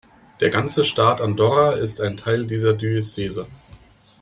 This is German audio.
Der ganze Staat Andorra ist ein Teil dieser Diözese.